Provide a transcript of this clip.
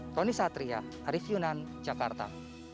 tony satria arif yunan jakarta